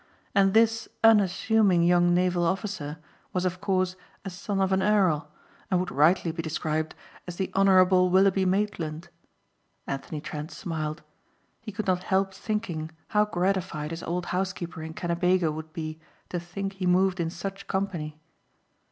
And this unassuming young naval officer was of course a son of an earl, and would rightly be described as the Honourable Willoughby Maitland. Anthony Trent smiled. He could not help thinking how gratified his old housekeeper in Kennebago would be to think he moved in such company.